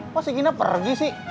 kok si gina pergi sih